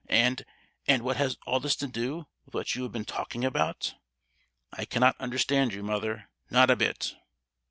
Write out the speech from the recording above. And—and what has all this to do with what you have been talking about?——I cannot understand you, mother,—not a bit!"